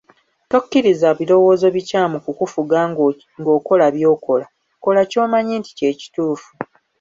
Tokkiriza birowoozo bikyamu kukufuga ng’okola by’okola, kola ky’omanyi nti kye kituufu.